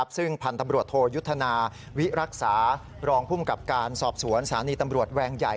ซึ่งพันธุ์ตำรวจโทยุทธนาวิรักษารองภูมิกับการสอบสวนสถานีตำรวจแวงใหญ่